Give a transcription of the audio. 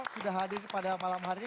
sudah hadir pada malam hari ini